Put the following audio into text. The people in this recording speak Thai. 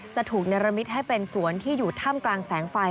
จะถูกเนรมิตให้เป็นสวนที่อยู่ถ้ำกลางแสงไฟ